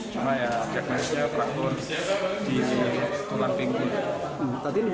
cuma ya jadinya perangkat di tulang pinggul